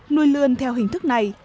nuôi lươn theo hình thức này